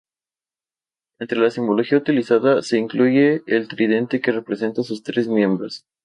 Entre la simbología utilizada se incluye el tridente que representa a sus tres miembros.